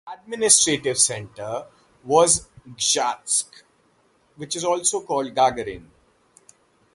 Its administrative centre was Gzhatsk ("Gagarin").